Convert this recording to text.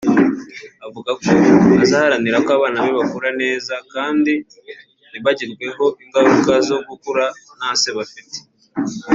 avuga ko azaharanira ko abana be bakura neza kandi ntibagirweho ingaruka zo gukura nta se bafite